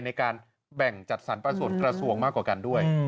ในการแบ่งจัดสรรปันส่วนกระทรวงมากกว่ากันด้วย